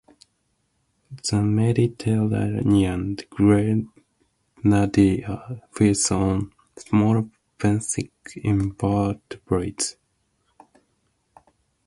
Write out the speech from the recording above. The Mediterranean grenadier feeds on small benthic invertebrates.